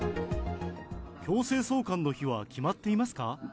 強制送還の日は決まっていますか。